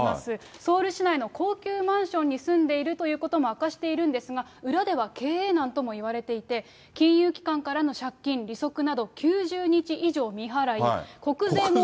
ソウル市内の高級マンションに住んでいるということも明かしているんですが、裏では経営難ともいわれていて、金融機関からの借金、利息など９国税も。